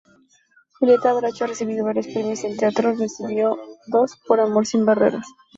Julieta Bracho ha recibido varios premios en teatro, recibió dos por "Amor sin barreras".